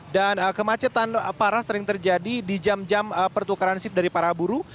dan kemacetan parah sering terjadi di jam jam pertukaran shift dari para buruh